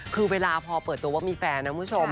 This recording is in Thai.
คือเวลาพอเปิดตัวว่ามีแฟนนะคุณผู้ชม